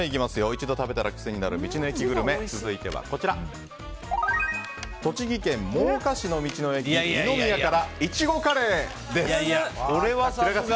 一度食べたら癖になる道の駅グルメ続いては、栃木県真岡市の道の駅にのみやからいちごカレーです。